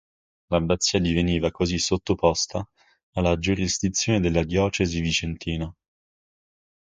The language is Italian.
L'abbazia diveniva così sottoposta alla giurisdizione della Diocesi vicentina.